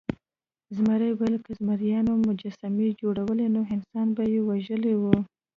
زمري وویل که زمریانو مجسمې جوړولی نو انسان به یې وژلی و.